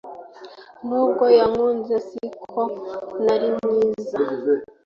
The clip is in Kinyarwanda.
Nubwo yankunze si uko nari mwiza